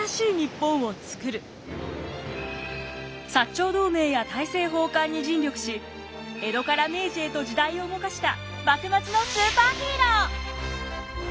長同盟や大政奉還に尽力し江戸から明治へと時代を動かした幕末のスーパーヒーロー！